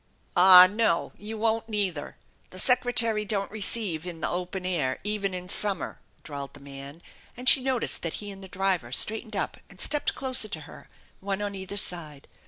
"Aw no! You won't neither! The Secretary don't re ceive in the open air even in summer," drawled the man, and she noticed that he and the driver straightened up and stepped closer to her, one on either side.